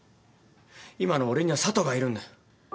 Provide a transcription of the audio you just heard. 今の俺には佐都がいるんだよ。